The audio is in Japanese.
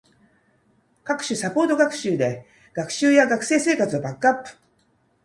各種サポートで学習や学生生活をバックアップ